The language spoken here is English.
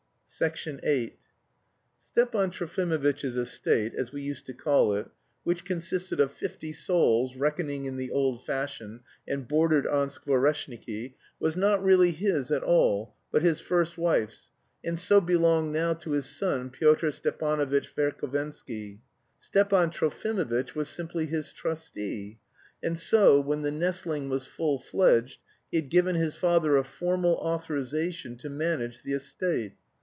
VIII Stepan Trofimovitch's estate, as we used to call it (which consisted of fifty souls, reckoning in the old fashion, and bordered on Skvoreshniki), was not really his at all, but his first wife's, and so belonged now to his son Pyotr Stepanovitch Verhovensky. Stepan Trofimovitch was simply his trustee, and so, when the nestling was full fledged, he had given his father a formal authorisation to manage the estate.